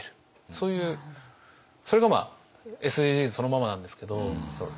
そういうそれがＳＤＧｓそのままなんですけど。